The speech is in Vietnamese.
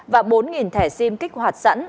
và bốn thẻ sim kích hoạt sẵn